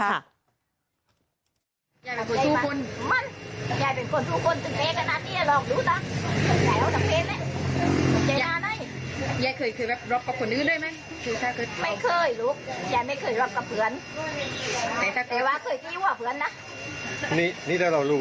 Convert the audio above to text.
เราไม่กลัวนะไม่กลัวครับลูกใหญ่เกินกว่าพี่ใหญ่กว่าตายพี่นึง